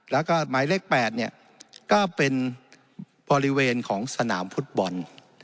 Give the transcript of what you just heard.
แล้วก็หมายเลข๘เนี่ยก็เป็นบริเวณของสนามฟุตบอล